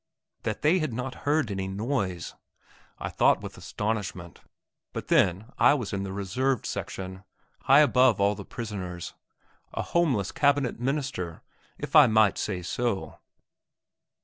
That they had not heard any noise! I thought with astonishment. But then I was in the reserved section, high above all the prisoners. A homeless Cabinet Minister, if I might say so.